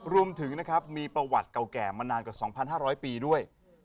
รวมถึงนะครับมีประวัติเก่าแก่มานานกว่า๒๕๐๐ปีด้วย